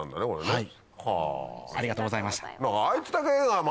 はい。